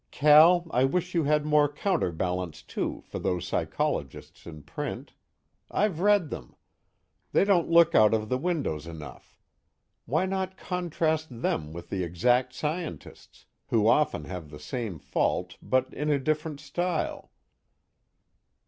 "Cal, I wish you had more counterbalance, too, for those psychologists in print. I've read them. They don't look out of the windows enough. Why not contrast them with the exact scientists? who often have the same fault but in a different style?"